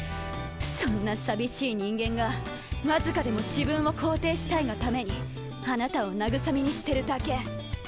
そんな寂しい人間が僅かでも自分を肯定したいがためにあなたを慰みにしてるだけ。